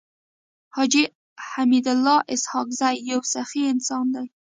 حاجي حميدالله اسحق زی يو سخي انسان دی.